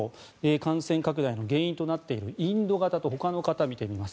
感染拡大の原因となっているインド型とほかの型を見てみます。